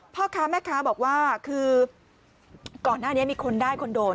พ่อค้าแม่ค้าบอกว่าคือก่อนหน้านี้มีคนได้คนโดน